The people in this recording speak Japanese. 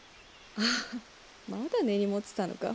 ああまだ根に持ってたのか？